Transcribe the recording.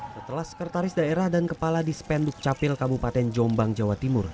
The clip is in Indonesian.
setelah sekretaris daerah dan kepala dispenduk capil kabupaten jombang jawa timur